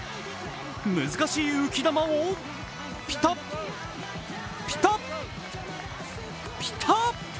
難しい浮き球をピタッ、ピタッピタッ！